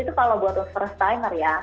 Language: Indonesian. itu kalau buat first timer ya